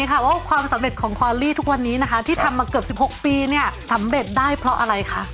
ว่าความสำเร็จของคอลลี่ทุกวันนี้นะคะที่ทำมาเกือบ๑๖ปีเนี่ยสำเร็จได้เพราะอะไรคะ